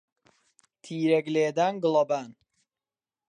تیرەک لێدان، گڵەبان